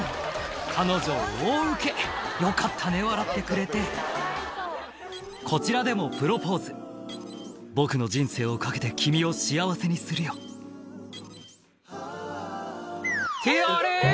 彼女大ウケよかったね笑ってくれてこちらでもプロポーズ「僕の人生を懸けて君を幸せにするよ」ってあれ？